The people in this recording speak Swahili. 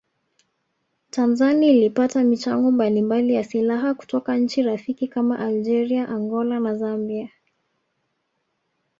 Tanzani ilipata michango mbalimbali ya silaha kutoka nchi rafiki kama Algeria Angola na Zambia